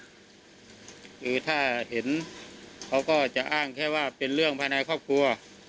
คือถ้าเห็นเขาก็จะอ้างแค่ว่าเป็นเรื่องภายในครอบครัว